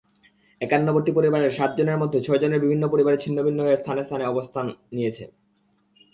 একান্নবতী পরিবারের সাতজনের মধ্যে ছয়জনের পরিবার ছিন্নভিন্ন হয়ে বিভিন্ন স্থানে অবস্থান নিয়েছে।